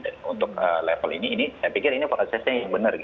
dan untuk level ini saya pikir ini prosesnya yang benar